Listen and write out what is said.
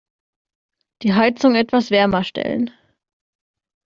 Die Heizung etwas wärmer stellen.